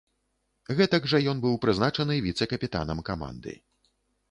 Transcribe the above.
Гэтак жа ён быў прызначаны віцэ-капітанам каманды.